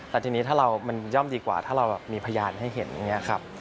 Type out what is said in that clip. แต่ทีนี้ถ้าเรามันย่อมดีกว่าถ้าเรามีพยานให้เห็นอย่างนี้ครับ